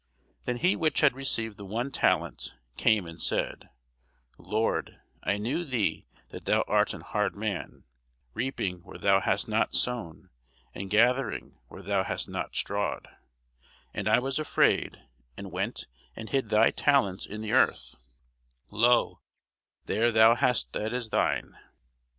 Then he which had received the one talent came and said, Lord, I knew thee that thou art an hard man, reaping where thou hast not sown, and gathering where thou hast not strawed: and I was afraid, and went and hid thy talent in the earth: lo, there thou hast that is thine.